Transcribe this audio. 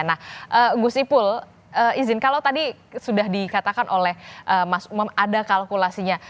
nah gus ipul izin kalau tadi sudah dikatakan oleh mas umam ada kalkulasinya